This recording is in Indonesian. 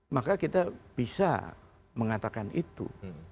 maka kita bisa mengatakan itu